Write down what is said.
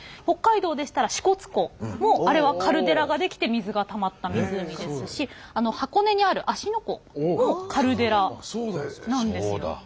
北海道でしたら支笏湖もあれはカルデラが出来て水がたまった湖ですし箱根にある芦ノ湖もカルデラなんですよ。